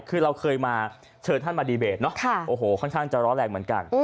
คือเราเคยมาเชิญท่านมาดีเบตเนอะโอ้โหค่อนข้างจะร้อนแรงเหมือนกัน